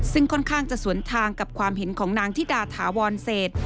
ซึ่งค่อนข้างจะสวนทางกับความเห็นของนางธิดาถาวรเศษ